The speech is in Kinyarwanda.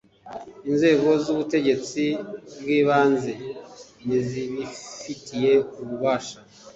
Inzego z’ubutegetsi bw ibanze ntizibifitiye ububasha